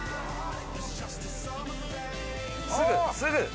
すぐすぐ。